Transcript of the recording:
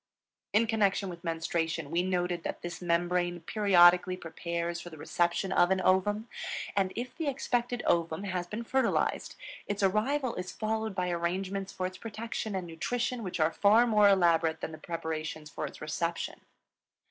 In connection with menstruation we noted that this membrane periodically prepares for the reception of an ovum. And if the expected ovum has been fertilized, its arrival is followed by arrangements for its protection and nutrition which are far more elaborate than the preparations for its reception.